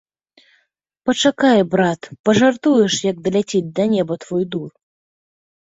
Пачакай, брат, пажартуеш, як даляціць да неба твой дур.